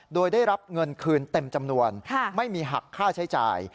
โดยได้รับเงินคืนเต็มจำนวนไม่มีหักค่าใช้จ่าย